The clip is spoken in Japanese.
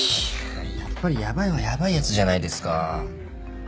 いややっぱりヤバいはヤバいやつじゃないですか。